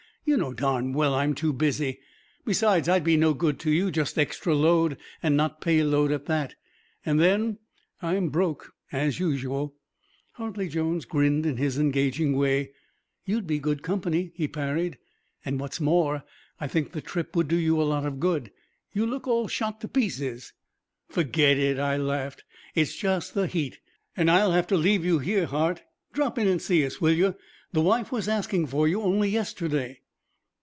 "You know darn well I'm too busy. Besides, I'd be no good to you. Just extra load, and not pay load at that. And then, I'm broke as usual." Hartley Jones grinned in his engaging way. "You'd be good company," he parried; "and, what's more, I think the trip would do you a lot of good. You look all shot to pieces." "Forget it," I laughed. "It's just the heat. And I'll have to leave you here, Hart. Drop in and see us, will you? The wife was asking for you only yesterday."